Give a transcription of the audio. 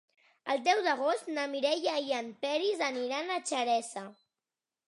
El deu d'agost na Mireia i en Peris aniran a Xeresa.